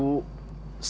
saya ingin menghindari